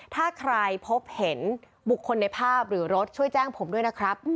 ถ้าใครพบเห็นบุคคลในภาพหรือรถช่วยแจ้งผมด้วยนะครับ